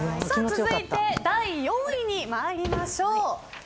続いて第４位に参りましょう。